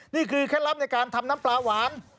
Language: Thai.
เคล็ดลับในการทำน้ำปลาหวาน